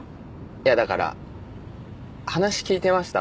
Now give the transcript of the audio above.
いやだから話聞いてました？